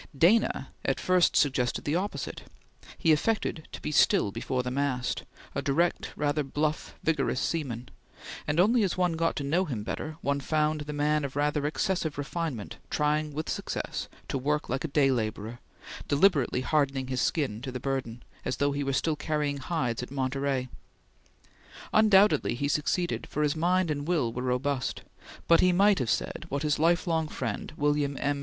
Dana at first suggested the opposite; he affected to be still before the mast, a direct, rather bluff, vigorous seaman, and only as one got to know him better one found the man of rather excessive refinement trying with success to work like a day laborer, deliberately hardening his skin to the burden, as though he were still carrying hides at Monterey. Undoubtedly he succeeded, for his mind and will were robust, but he might have said what his lifelong friend William M.